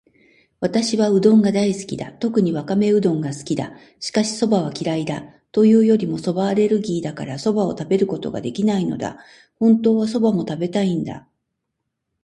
私はうどんが大好きだ。特にわかめうどんが好きだ。しかし、蕎麦は嫌いだ。というよりも蕎麦アレルギーだから、蕎麦を食べることができないのだ。本当は蕎麦も食べたいんだ。